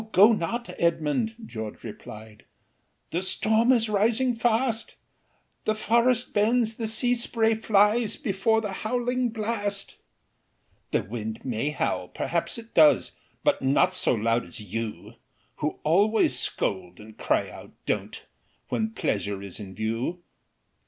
go not, Edmund," George replied, "The storm is rising fast, The forest bends, the sea spray flies, Before the howling blast." "The wind may howl perhaps it does, But not so loud as you, Who always scold and cry out 'Don't', When pleasure is in view."